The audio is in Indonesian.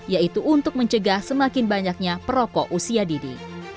yaitu untuk mencegah semakin banyaknya perokok usia dini